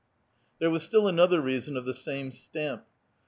There was still another reason of the same stamp.